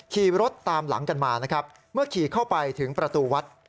ขี่รถตามหลังกันมานะครับเมื่อขี่เข้าไปถึงประตูวัด